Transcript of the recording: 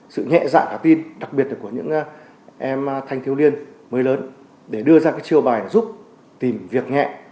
sự nhẹ dạng và tin đặc biệt là của những em thanh thiếu liên mới lớn để đưa ra chiêu bài giúp tìm việc nhẹ